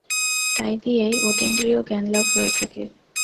তাই দিয়েই অতীন্দ্রিয় জ্ঞানলাভ হয়ে থাকে।